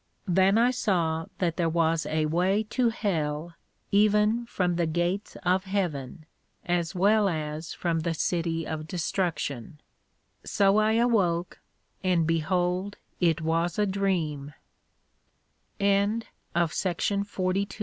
Then I saw that there was a way to Hell even from the Gates of Heaven, as well as from the City of Destruction. So I awoke, and behold it was a Dream.